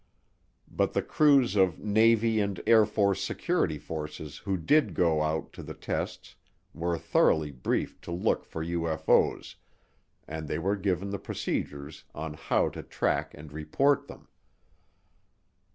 But the crews of Navy and Air Force security forces who did go out to the tests were thoroughly briefed to look for UFO's, and they were given the procedures on how to track and report them.